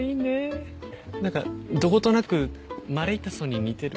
何かどことなくまれいたそに似てる。